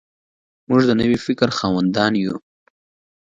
موږ د نوي فکر خاوندان یو.